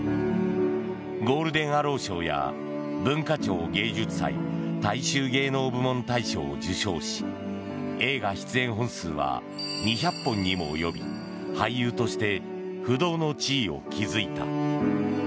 ゴールデン・アロー賞や文化庁芸術祭大衆芸能部門大賞を受賞し映画出演本数は２００本にも及び俳優として不動の地位を築いた。